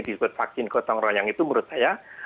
disebut vaksin gotong royong itu menurut saya